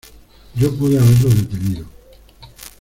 Yo pude haberlo detenido.